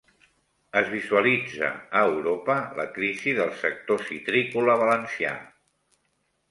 Es visualitza a Europa la crisi del sector citrícola valencià